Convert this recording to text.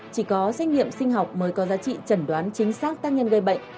chỉ có xét nghiệm sinh học mới có giá trị trần đoán chính xác tác nhân gây bệnh